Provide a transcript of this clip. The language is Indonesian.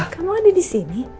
kamu ada disini